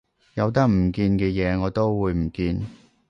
有得唔見嘅嘢我都會唔見